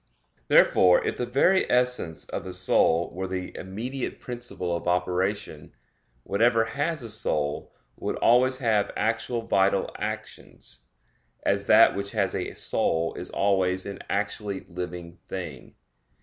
Therefore if the very essence of the soul were the immediate principle of operation, whatever has a soul would always have actual vital actions, as that which has a soul is always an actually living thing.